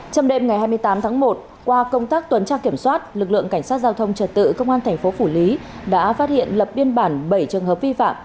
trong đêm ngày hai mươi tám tháng một qua công tác tuần tra kiểm soát lực lượng cảnh sát giao thông trật tự công an thành phố phủ lý đã phát hiện lập biên bản bảy trường hợp vi phạm